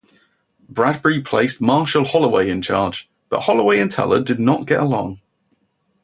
Bradbury placed Marshall Holloway in charge, but Holloway and Teller did not get along.